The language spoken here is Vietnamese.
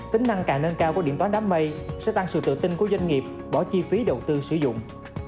tính năng càng nâng cao của điện toán đám mây sẽ tăng sự tự tin của doanh nghiệp bỏ chi phí đầu tư sử dụng